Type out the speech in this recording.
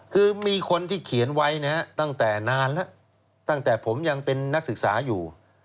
คือมีคนที่เขียนไว้นะฮะตั้งแต่นานแล้วตั้งแต่ผมยังเป็นนักศึกษาอยู่